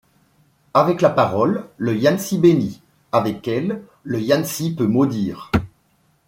Avec la parole, le yansi bénit, avec elle, le Yansi peut maudire.